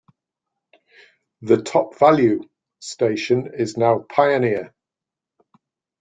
The Top-Valu station is now Pioneer.